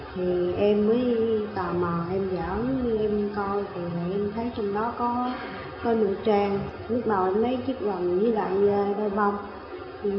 thì em mới tò mò em dỡ em coi thì em thấy trong đó có mũi trang lúc nào em lấy chiếc vòng với lại đôi bông